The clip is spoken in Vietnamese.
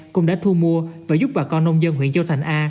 cũng đã thu mua và giúp bà con nông dân huyện châu thành a